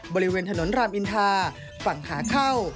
บริเวณถนนรามอินทาฝั่งขาเข้า